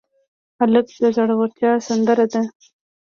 هلک د زړورتیا سندره ده.